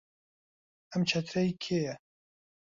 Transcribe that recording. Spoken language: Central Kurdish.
ئەم چەترە هی کێیە؟